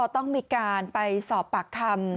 ต้องมีการไปสอบปากคำ